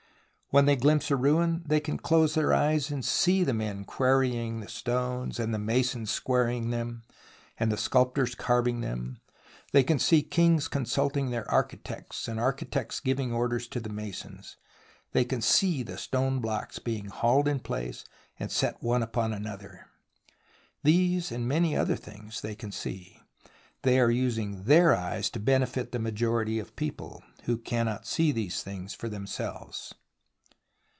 When they glimpse a ruin they can close their THE ROMANCE OF EXCAVATION 15 eyes and see the men quarrying the stones and the masons squaring them and the sculptors carving them ; they can see kings consulting their architects, and architects giving orders to the masons ; they can see the stone blocks being hauled in place and set one upon another. These and many other things they can see. They are using their eyes to benefit the majority of people, who cannot see these things for themselves.